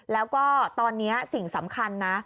แล้วก็ตอนนี้สิ่งสำคัญนะ